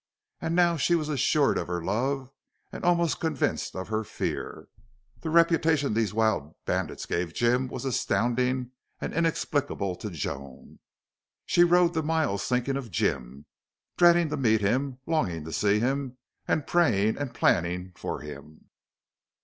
And now she was assured of her love and almost convinced of her fear. The reputation these wild bandits gave Jim was astounding and inexplicable to Joan. She rode the miles thinking of Jim, dreading to meet him, longing to see him, and praying and planning for him.